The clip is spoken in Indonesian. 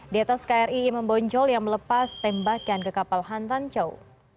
di atas kri imam bonjol yang melepas tembakan ke kapal hantan chow